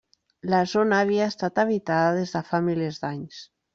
La zona havia estat habitada des de fa milers d'anys.